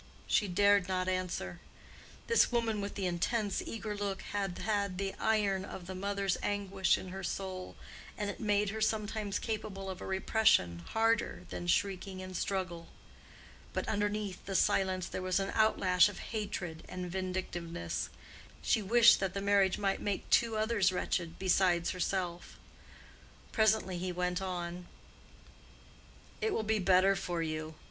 She dared not answer. This woman with the intense, eager look had had the iron of the mother's anguish in her soul, and it had made her sometimes capable of a repression harder than shrieking and struggle. But underneath the silence there was an outlash of hatred and vindictiveness: she wished that the marriage might make two others wretched, besides herself. Presently he went on, "It will be better for you.